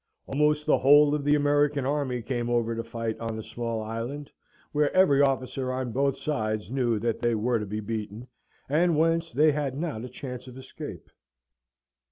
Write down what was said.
Almost the whole of the American army came over to fight on a small island, where every officer on both sides knew that they were to be beaten, and whence they had not a chance of escape.